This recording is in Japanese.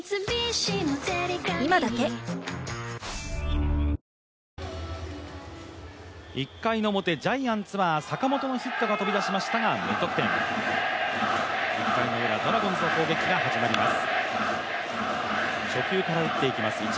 ぷはーっ１回の表、ジャイアンツは坂本のヒットが飛び出しましたが無得点、１回のウラ、ドラゴンズの攻撃が始まります。